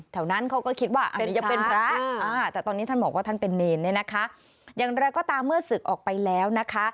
นั้นเขาก็คิดว่าอาจจะเป็นพระแต่ตอนนี้ท่านบอกว่าท่านเป็นเนรเนี่ยนะคะอย่างไรก็ตามเมื่อศึกออกไปแล้วนะคะ